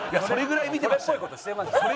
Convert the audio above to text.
それぐらい見てました。